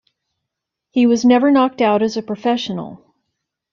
He was never knocked out as a professional.